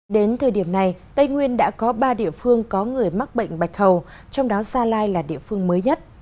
đến thời điểm này tây nguyên đã có ba địa phương có người mắc bệnh bạch hầu trong đó gia lai là địa phương mới nhất